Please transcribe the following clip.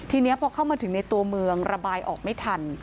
ทีนี้พอเข้ามาถึงในตัวเมืองระบายออกไม่ทัน